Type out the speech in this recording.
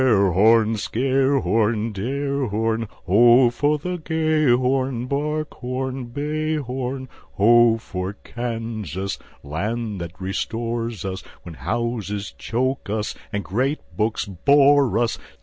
# Ho for the tear horn, scare horn, dare horn, Ho for the gay horn, bark horn, bay horn. _Ho for Kansas, land that restores us When houses choke us, and great books bore us!